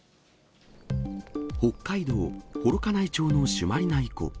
北海道幌加内町の朱鞠内湖。